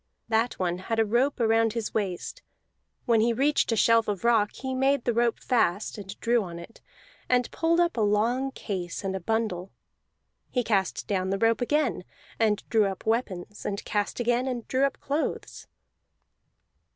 That one had a rope around his waist; when he reached a shelf of rock he made the rope fast, and drew on it, and pulled up a long case and a bundle: he cast down the rope again, and drew up weapons, and cast again, and drew up clothes.